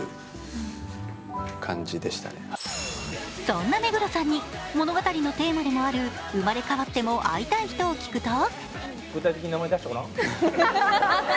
そんな目黒さんに物語のテーマでもある生まれ変わっても会いたい人を聞くと？